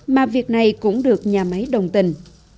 mà việc này cũng được nhà máy đồng tình